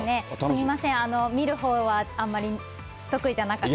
すみません、見るほうはあんまり得意じゃなかった。